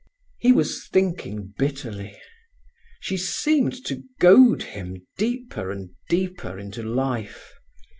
He was thinking bitterly. She seemed to goad him deeper and deeper into life.